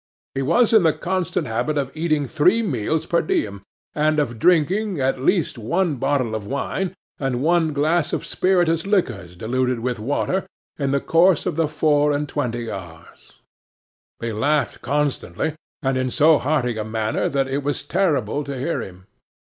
He was in the constant habit of eating three meals per diem, and of drinking at least one bottle of wine, and one glass of spirituous liquors diluted with water, in the course of the four and twenty hours. He laughed constantly, and in so hearty a manner that it was terrible to hear him.